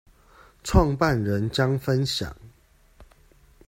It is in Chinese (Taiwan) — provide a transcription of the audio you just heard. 創辦人將分享